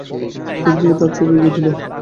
তিন্নি তার ছবি এগিয়ে দিল।